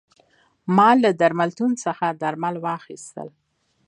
ما له درملتون څخه درمل واخیستل.